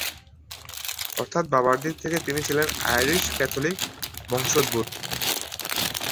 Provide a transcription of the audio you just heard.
অর্থাৎ বাবার দিক থেকে তিনি ছিলেন আইরিশ-ক্যাথোলিক বংশোদ্ভূত।